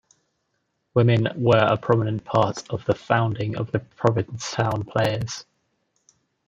Women were a prominent part of the founding of the Provincetown Players.